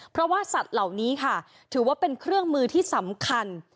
เพราะว่าสัตว์เหล่านี้ค่ะถือว่าเป็นเครื่องมือที่สำคัญ